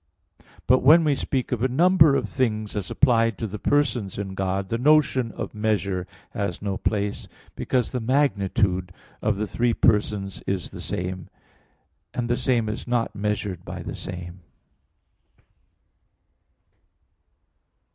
But when we speak of a number of things as applied to the persons in God, the notion of measure has no place, because the magnitude of the three persons is the same (Q. 42, AA. 1, 4), and the same is not measured by the same.